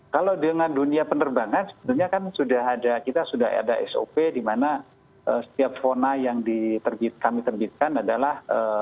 kalau dengan dunia penerbangan sebenarnya kan sudah ada kita sudah ada sop di mana setiap vona yang kami terbitkan adalah